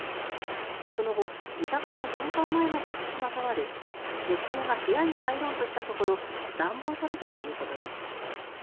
その後、自宅の玄関前まで付きまとわれ女性が部屋に入ろうとしたところ乱暴されたということです。